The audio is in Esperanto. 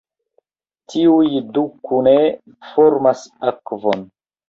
Tiuj du kune formas akvon.